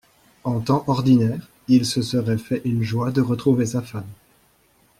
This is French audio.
En temps ordinaire, il se serait fait une joie de retrouver sa femme.